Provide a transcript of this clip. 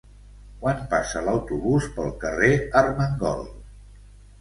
Quan passa l'autobús pel carrer Armengol?